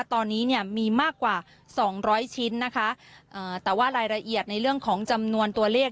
ตอนนี้เนี่ยมีมากกว่าสองร้อยชิ้นนะคะแต่ว่ารายละเอียดในเรื่องของจำนวนตัวเลข